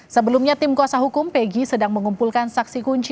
sebelumnya tim kuasa hukum peggy sedang mengumpulkan saksi kunci